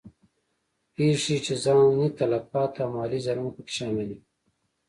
پېښې چې ځاني تلفات او مالي زیانونه په کې شامل وي.